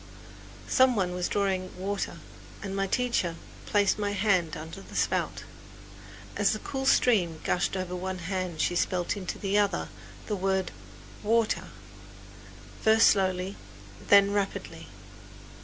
Some one was drawing water and my teacher placed my hand under the spout. As the cool stream gushed over one hand she spelled into the other the word water, first slowly, then rapidly.